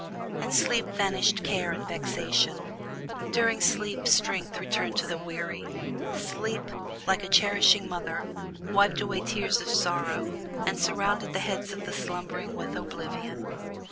In sleep vanished care and vexation, during sleep strength returned to the weary; sleep, like a cherishing mother, wiped away tears of sorrow and surrounded the heads of the slumbering with oblivion.